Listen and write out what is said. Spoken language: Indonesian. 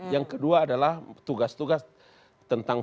yang kedua adalah tugas tugas tentang